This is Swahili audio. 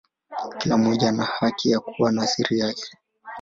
Kila mmoja ana haki ya kuwa na siri zake.